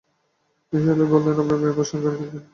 নিসার আলি বললেন, আপনার মেয়ের প্রসঙ্গে আরো কিছু কি বলবেন?